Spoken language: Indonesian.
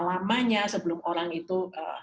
lamanya sebelum orang itu